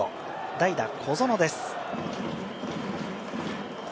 代打・小園です。